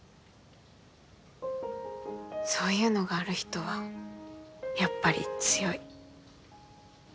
そういうのがある人はやっぱり強い。